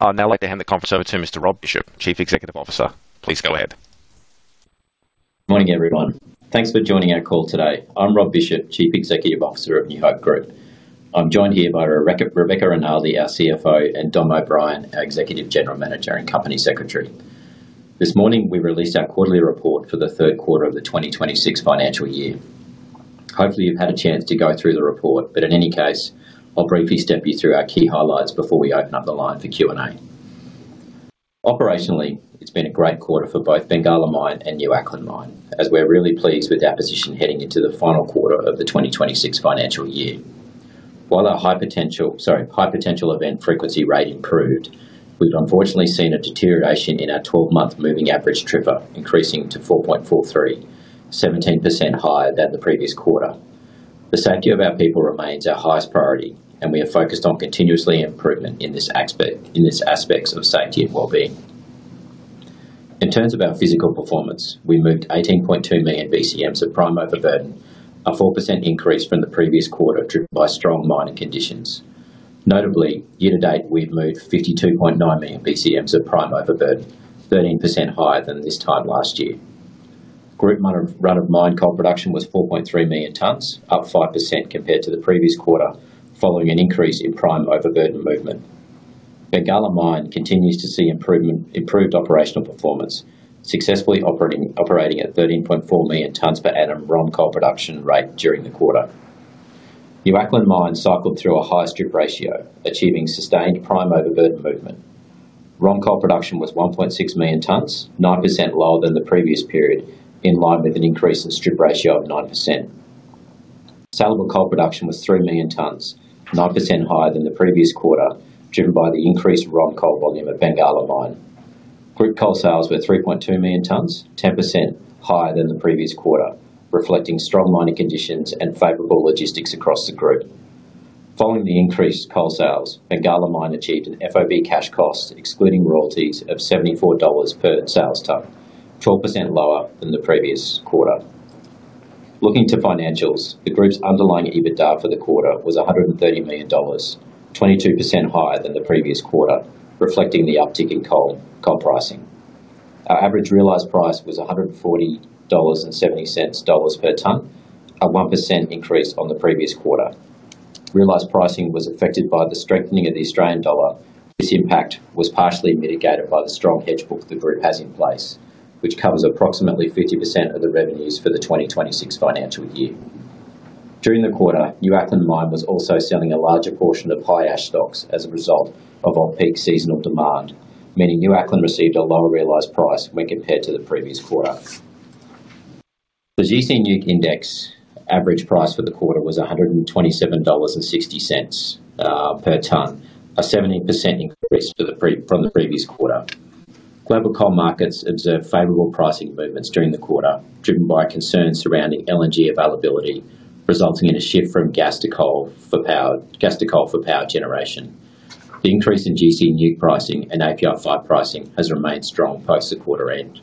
I'd now like to hand the conference over to Mr. Rob Bishop, Chief Executive Officer. Please go ahead. Morning, everyone. Thanks for joining our call today. I'm Rob Bishop, Chief Executive Officer of New Hope Group. I'm joined here by Rebecca Rinaldi, our CFO, and Dom O'Brien, our Executive General Manager and Company Secretary. This morning, we released our quarterly report for the third quarter of the 2026 financial year. Hopefully, you've had a chance to go through the report, but in any case, I'll briefly step you through our key highlights before we open up the line for Q&A. Operationally, it's been a great quarter for both Bengalla Mine and New Acland Mine, as we're really pleased with our position heading into the final quarter of the 2026 financial year. While our High Potential Event Frequency Rate improved, we've unfortunately seen a deterioration in our 12-month moving average TRIFR, increasing to 4.43, 17% higher than the previous quarter. The safety of our people remains our highest priority, and we are focused on continuously improvement in these aspects of safety and wellbeing. In terms of our physical performance, we moved 18.2 million BCMs of prime overburden, a 4% increase from the previous quarter, driven by strong mining conditions. Notably, year to date, we've moved 52.9 million BCMs of prime overburden, 13% higher than this time last year. Group run-of-mine coal production was 4.3 million tons, up 5% compared to the previous quarter, following an increase in prime overburden movement. Bengalla Mine continues to see improved operational performance, successfully operating at 13.4 million tons per annum run coal production rate during the quarter. New Acland Mine cycled through a higher strip ratio, achieving sustained prime overburden movement. Run coal production was 1.6 million tons, 9% lower than the previous period, in line with an increase in strip ratio of 9%. Saleable coal production was 3 million tons, 9% higher than the previous quarter, driven by the increased run coal volume at Bengalla Mine. Group coal sales were 3.2 million tons, 10% higher than the previous quarter, reflecting strong mining conditions and favorable logistics across the group. Following the increased coal sales, Bengalla Mine achieved an FOB cash cost, excluding royalties of 74 dollars per sales ton, 12% lower than the previous quarter. Looking to financials, the group's underlying EBITDA for the quarter was 130 million dollars, 22% higher than the previous quarter, reflecting the uptick in coal pricing. Our average realized price was 140.70 dollars per ton, a 1% increase on the previous quarter. Realized pricing was affected by the strengthening of the Australian dollar. This impact was partially mitigated by the strong hedge book the group has in place, which covers approximately 50% of the revenues for the 2026 financial year. During the quarter, New Acland Mine was also selling a larger portion of high ash stocks as a result of off-peak seasonal demand, meaning New Acland received a lower realized price when compared to the previous quarter. The GC Newc index average price for the quarter was AUD 127.60 per ton, a 17% increase from the previous quarter. Global coal markets observed favorable pricing movements during the quarter, driven by concerns surrounding LNG availability, resulting in a shift from gas to coal for power generation. The increase in GC Newc pricing and API 5 pricing has remained strong post the quarter end.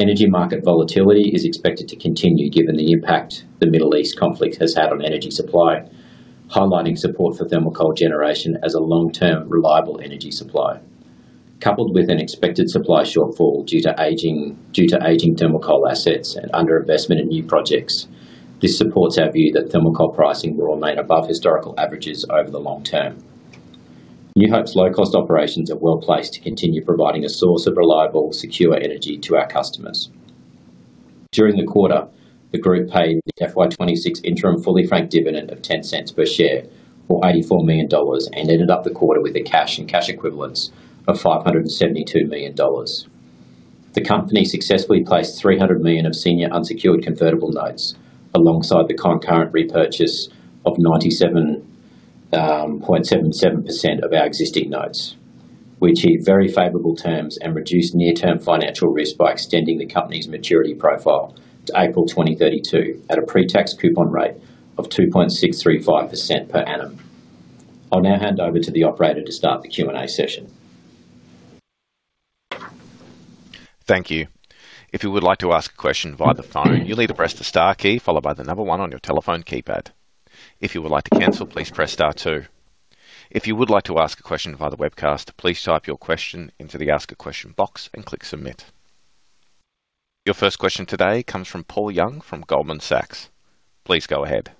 Energy market volatility is expected to continue, given the impact the Middle East conflict has had on energy supply, highlighting support for thermal coal generation as a long-term, reliable energy supply. Coupled with an expected supply shortfall due to aging thermal coal assets and underinvestment in new projects, this supports our view that thermal coal pricing will remain above historical averages over the long term. New Hope's low-cost operations are well-placed to continue providing a source of reliable, secure energy to our customers. During the quarter, the group paid the FY 2026 interim fully franked dividend of 0.10 per share or 84 million dollars, and ended up the quarter with a cash and cash equivalents of 572 million dollars. The company successfully placed 300 million of senior unsecured convertible notes alongside the concurrent repurchase of 97.77% of our existing notes. We achieved very favorable terms and reduced near-term financial risk by extending the company's maturity profile to April 2032 at a pre-tax coupon rate of 2.635% per annum. I'll now hand over to the operator to start the Q&A session. Thank you. If you would like to ask a question via the phone, you'll need to press the star key followed by the number one on your telephone keypad. If you would like to cancel, please press star two. If you would like to ask a question via the webcast, please type your question into the Ask a Question box and click Submit. Your first question today comes from Paul Young from Goldman Sachs. Please go ahead.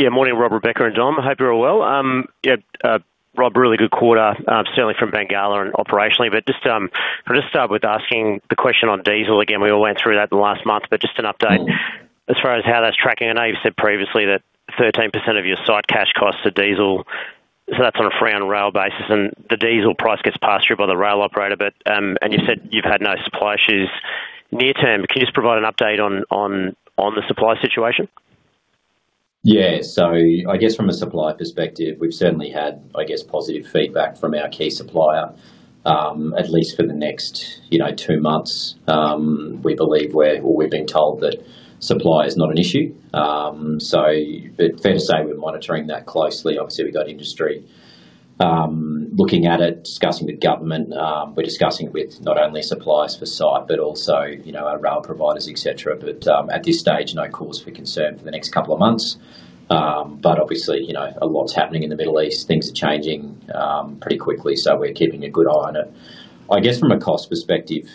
Morning, Rob, Rebecca, and Dom. Hope you're all well. Rob, really good quarter, certainly from Bengalla and operationally. Just, I'll just start with asking the question on diesel again. We all went through that in the last month, just an update as far as how that's tracking. I know you've said previously that 13% of your site cash costs are diesel, that's on a free-on-rail basis, and the diesel price gets passed through by the rail operator. You said you've had no supply issues near term. Can you just provide an update on the supply situation? From a supply perspective, we've certainly had positive feedback from our key supplier. At least for the next, you know, two months, we've been told that supply is not an issue. Fair to say we're monitoring that closely. Obviously, we've got industry looking at it, discussing with government, we're discussing with not only suppliers for site, but also, you know, our rail providers, et cetera. At this stage, no cause for concern for the next couple of months. Obviously, you know, a lot's happening in the Middle East. Things are changing pretty quickly, we're keeping a good eye on it. I guess from a cost perspective,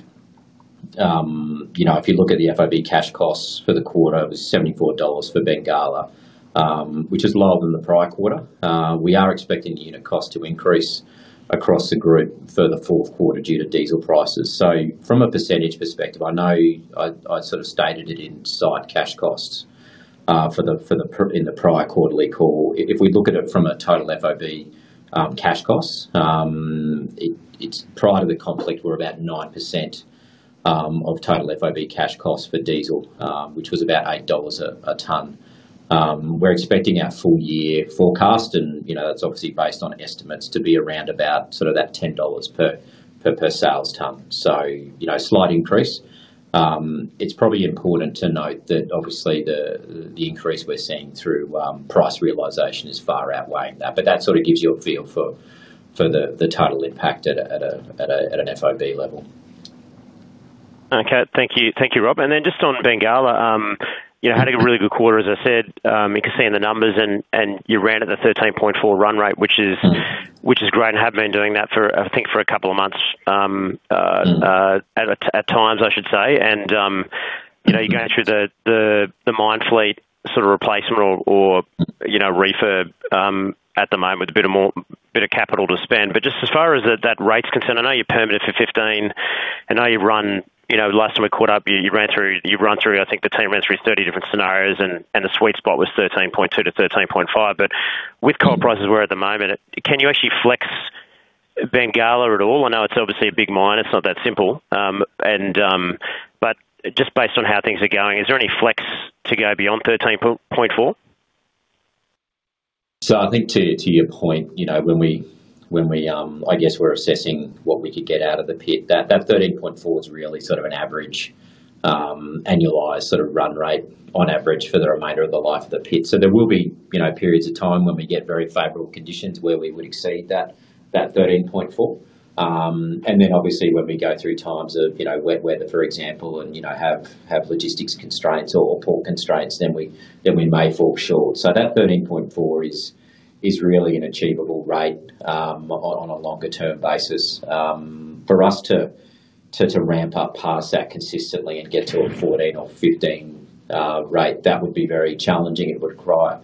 you know, if you look at the FOB cash costs for the quarter, it was 74 dollars for Bengalla, which is lower than the prior quarter. We are expecting unit cost to increase across the group for the fourth quarter due to diesel prices. From a percentage perspective, I know I sort of stated it in site cash costs in the prior quarterly call. If we look at it from a total FOB cash costs, it's prior to the conflict were about 9% of total FOB cash costs for diesel, which was about 8 dollars a ton. We're expecting our full year forecast and, you know, that's obviously based on estimates to be around about sort of that 10 dollars per sales ton. You know, slight increase. It's probably important to note that obviously the increase we're seeing through price realization is far outweighing that. That sort of gives you a feel for the total impact at an FOB level. Okay. Thank you. Thank you, Rob. Just on Bengalla, you know, had a really good quarter, as I said, you can see in the numbers and you ran at the 13.4 million run rate, which is. Which is great and have been doing that for, I think for a couple of months. At times, I should say. You know, you're going through the mine fleet sort of replacement or, you know, refurb at the moment with a bit of capital to spend. Just as far as that rate's concerned, I know you're permitted for 15 million. I know you run, you know, last time we caught up, you ran through, I think the team ran through 30 different scenarios and the sweet spot was 13.2 million-13.5 million. With coal prices where at the moment, can you actually flex Bengalla at all? I know it's obviously a big mine. It's not that simple. Just based on how things are going, is there any flex to go beyond 13.4 million? I think to your point, you know, when we, I guess we're assessing what we could get out of the pit, that 13.4 million is really sort of an average, annualized sort of run rate on average for the remainder of the life of the pit. There will be, you know, periods of time when we get very favorable conditions where we would exceed that 13.4 million. And then obviously when we go through times of, you know, wet weather, for example, and, you know, have logistics constraints or port constraints, then we may fall short. That 13.4 million is really an achievable rate on a longer-term basis. For us to ramp up past that consistently and get to a 14 million or 15 million rate, that would be very challenging. It would require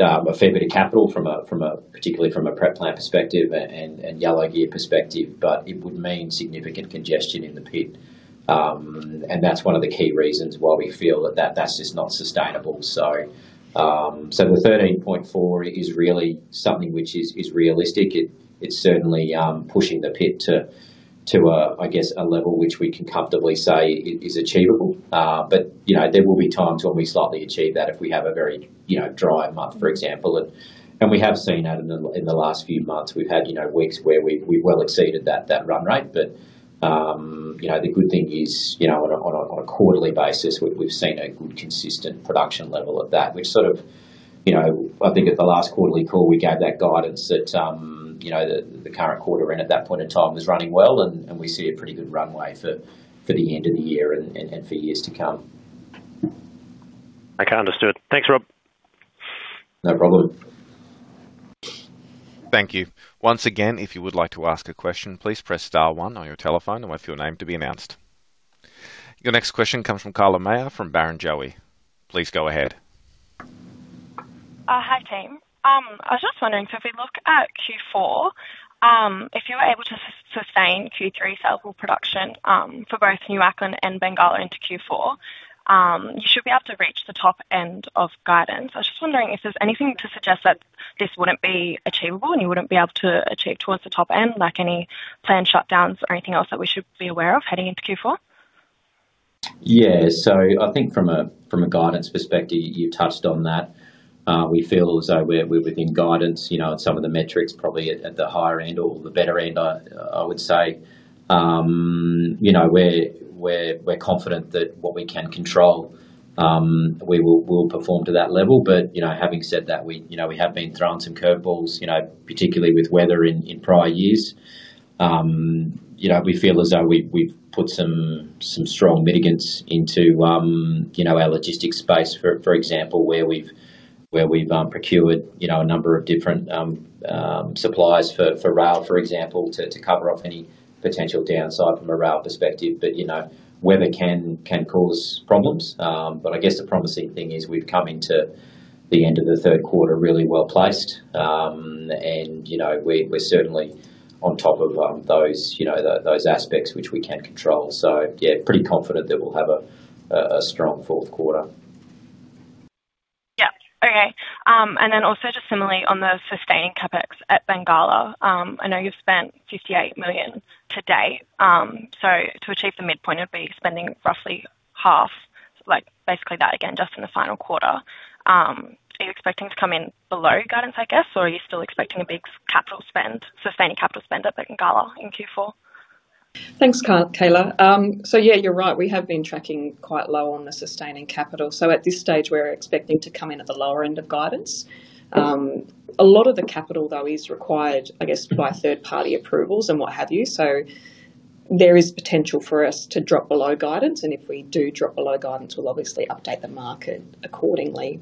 a fair bit of capital from a particularly from a prep plant perspective and yellow gear perspective, but it would mean significant congestion in the pit. That's one of the key reasons why we feel that's just not sustainable. The 13.4 million is really something which is realistic. It's certainly pushing the pit to a, I guess, a level which we can comfortably say is achievable. You know, there will be times when we slightly achieve that if we have a very, you know, dry month, for example. We have seen that in the last few months. We've had, you know, weeks where we well exceeded that run rate. The good thing is, you know, on a quarterly basis, we've seen a good consistent production level of that. We've sort of, you know, I think at the last quarterly call, we gave that guidance that, you know, the current quarter end at that point in time was running well and we see a pretty good runway for the end of the year and for years to come. Okay. Understood. Thanks, Rob. No problem. Thank you. Once again, if you would like to ask a question, please press star one on your telephone and wait for your name to be announced. Your next question comes from Carla Meyer from Barrenjoey. Please go ahead. Hi team. I was just wondering, if we look at Q4, if you were able to sustain Q3 saleable production for both New Acland and Bengalla into Q4, you should be able to reach the top end of guidance. I was just wondering if there's anything to suggest that this wouldn't be achievable and you wouldn't be able to achieve towards the top end, like any planned shutdowns or anything else that we should be aware of heading into Q4? Yeah. I think from a guidance perspective, you touched on that. We feel as though we're within guidance, you know, and some of the metrics probably at the higher end or the better end, I would say. You know, we're confident that what we can control, we'll perform to that level. You know, having said that, we, you know, we have been thrown some curve balls, you know, particularly with weather in prior years. You know, we feel as though we've put some strong mitigants into, you know, our logistics space, for example, where we've procured, you know, a number of different suppliers for rail, for example, to cover off any potential downside from a rail perspective. You know, weather can cause problems. I guess the promising thing is we've come into the end of the third quarter really well-placed. You know, we're certainly on top of, those, you know, those aspects which we can control. Yeah, pretty confident that we'll have a strong fourth quarter. Yeah. Okay. Also just similarly on the sustained CapEx at Bengalla, I know you've spent 58 million to date. To achieve the midpoint, it'd be spending roughly half, like basically that again, just in the final quarter. Are you expecting to come in below guidance, I guess? Or are you still expecting a big capital spend, sustaining capital spend at Bengalla in Q4? Thanks, Carla. Yeah, you're right. We have been tracking quite low on the sustaining capital. At this stage, we're expecting to come in at the lower end of guidance. A lot of the capital though is required, I guess, by third-party approvals and what have you. There is potential for us to drop below guidance, and if we do drop below guidance, we'll obviously update the market accordingly.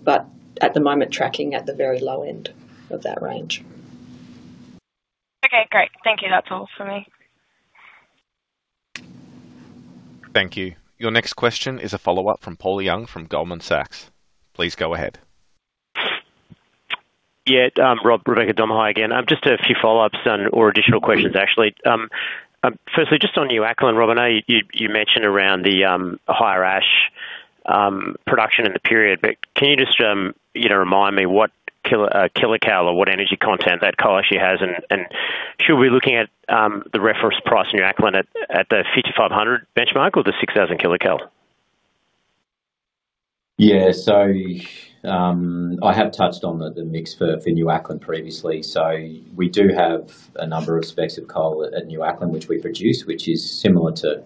At the moment, tracking at the very low end of that range. Okay, great. Thank you. That's all for me. Thank you. Your next question is a follow-up from Paul Young from Goldman Sachs. Please go ahead. Rob, Rebecca Rinaldi again. Just a few follow-ups and/or additional questions, actually. Firstly, just on New Acland, Rob, I know you mentioned around the higher ash production in the period, but can you just, you know, remind me what kilocalorie or what energy content that coal ash has, and should we be looking at the reference price in New Acland at the 5,500 benchmark or the 6,000 kilocalorie? Yeah. I have touched on the mix for New Acland previously. We do have a number of specs of coal at New Acland, which we produce, which is similar to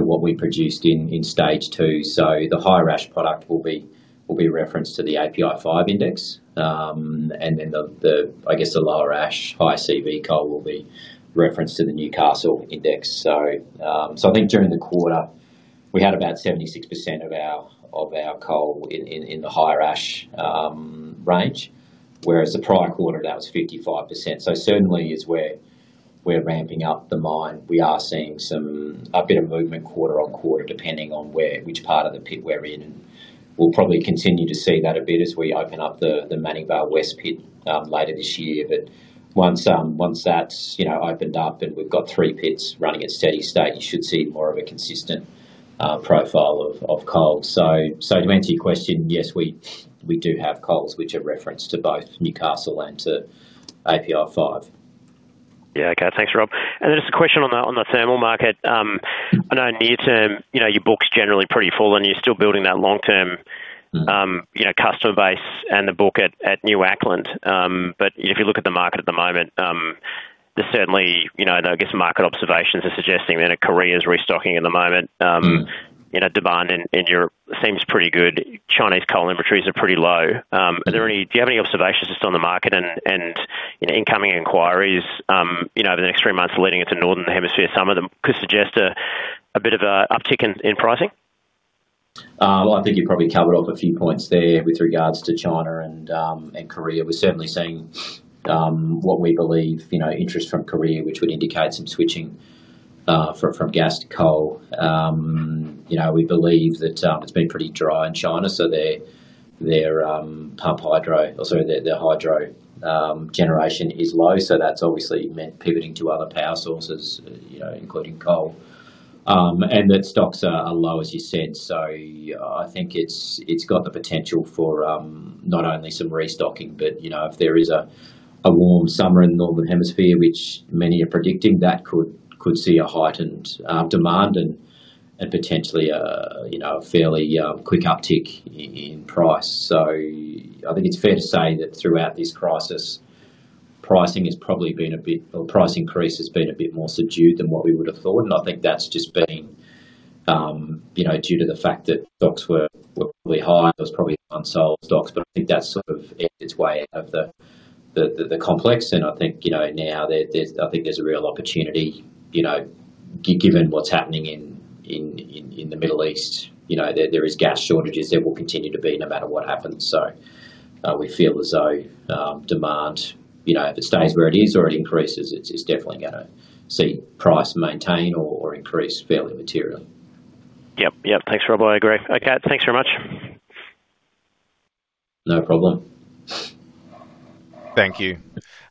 what we produced in stage two. The higher ash product will be referenced to the API 5 index. I guess, the lower ash, high CV coal will be referenced to the Newcastle index. I think during the quarter, we had about 76% of our coal in the higher ash range, whereas the prior quarter, that was 55%. Certainly as we're ramping up the mine, we are seeing a bit of movement quarter on quarter, depending on which part of the pit we're in. We'll probably continue to see that a bit as we open up the Manning Vale West pit later this year. Once that's, you know, opened up and we've got three pits running at steady state, you should see more of a consistent profile of coal. To answer your question, yes, we do have coals which are referenced to both Newcastle and to API 5. Okay. Thanks, Rob. Just a question on the thermal market. I know near term, you know, your book's generally pretty full and you're still building that long-term, you know, customer base and the book at New Acland. If you look at the market at the moment, there's certainly, you know, market observations are suggesting that Korea is restocking at the moment. Demand in Europe seems pretty good. Chinese coal inventories are pretty low. Do you have any observations just on the market and, you know, incoming inquiries, you know, over the next three months leading into Northern Hemisphere summer that could suggest a bit of a uptick in pricing? Well, I think you probably covered off a few points there with regards to China and Korea. We're certainly seeing, what we believe, you know, interest from Korea, which would indicate some switching from gas to coal. You know, we believe that it's been pretty dry in China, so their pump hydro, or sorry, their hydro generation is low, so that's obviously meant pivoting to other power sources, you know, including coal. That stocks are low, as you said. I think it's got the potential for not only some restocking, but you know, if there is a warm summer in the Northern Hemisphere, which many are predicting, that could see a heightened demand and potentially a, you know, a fairly quick uptick in price. I think it's fair to say that throughout this crisis, pricing has probably been a bit more subdued than what we would have thought. I think that's just been, you know, due to the fact that stocks were probably high. There was probably unsold stocks, but I think that's sort of edged its way out of the complex. I think, you know, now there's a real opportunity, you know, given what's happening in the Middle East, you know, there is gas shortages. There will continue to be no matter what happens. We feel as though demand, you know, if it stays where it is or it increases, it's definitely gonna see price maintain or increase fairly materially. Yep. Yep. Thanks, Rob. I agree. Okay. Thanks very much. No problem. Thank you.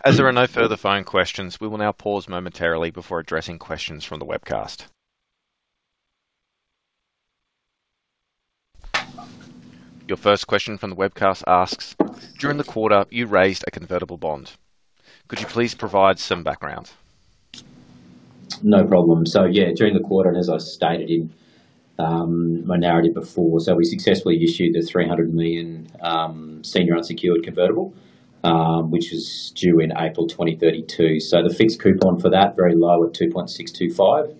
As there are no further phone questions, we will now pause momentarily before addressing questions from the webcast. Your first question from the webcast asks, "During the quarter, you raised a convertible bond. Could you please provide some background? No problem. During the quarter, as I stated in my narrative before, we successfully issued the 300 million senior unsecured convertible, which is due in April 2032. The fixed coupon for that, very low at 2.625%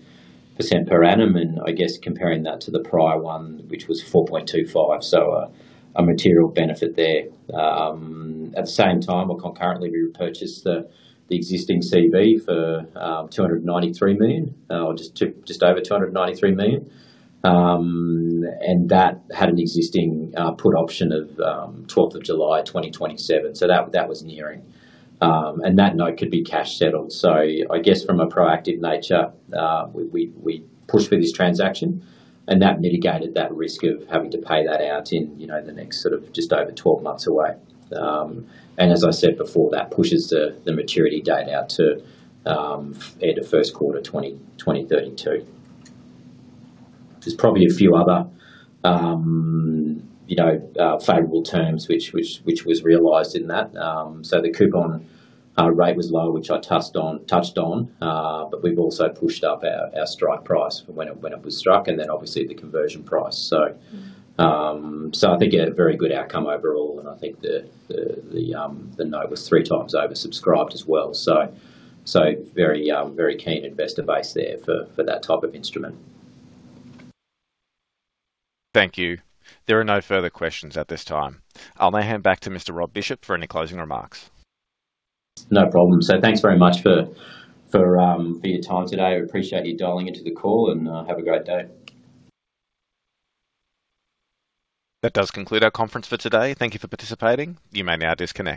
per annum. I guess comparing that to the prior one, which was 4.25%, a material benefit there. At the same time or concurrently, we repurchased the existing CV for 293 million, or just over 293 million. That had an existing put option of July 12th, 2027. That was nearing. That note could be cash settled. I guess from a proactive nature, we pushed through this transaction, and that mitigated that risk of having to pay that out in the next sort of just over 12 months away. As I said before, that pushes the maturity date out to end of first quarter 2032. There's probably a few other favorable terms which was realized in that. The coupon rate was low, which I touched on. We've also pushed up our strike price for when it was struck, obviously the conversion price. I think a very good outcome overall, and I think the note was 3x oversubscribed as well. Very keen investor base there for that type of instrument. Thank you. There are no further questions at this time. I'll now hand back to Mr. Rob Bishop for any closing remarks. No problem. Thanks very much for your time today. I appreciate you dialing into the call and have a great day. That does conclude our conference for today. Thank you for participating. You may now disconnect.